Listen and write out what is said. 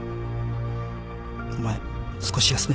お前少し休め。